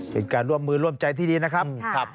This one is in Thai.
เป็นการร่วมมือร่วมใจที่ดีนะครับ